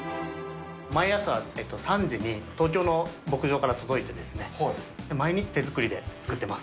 毎朝３時に東京の牧場から届いてですね、毎日手作りで作ってます。